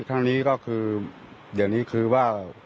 ทั้งนี้ก็คือเดี๋ยวนี้คือว่า